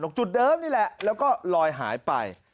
จุดเดิมนี่แหละแล้วก็ลอยหายไป